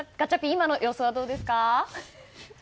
今の様子はどうですか？